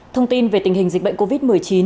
thông tin về tình hình dịch bệnh covid một mươi chín